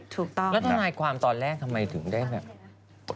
ถูกต้องแล้วทนายความตอนแรกทำไมถึงได้แบบ